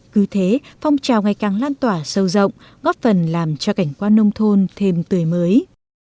cứ thế phong trào ngày càng lan tỏa sâu rộng góp phần làm cho cảnh quan nông thôn thêm tươi mới